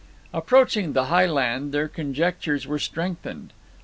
Approaching the high land their conjectures were strengthened.